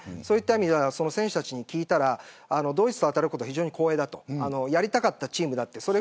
そういった意味では選手たちに聞いたらドイツと当たることは非常に光栄だやりたかったチームだと。